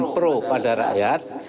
pro pada rakyat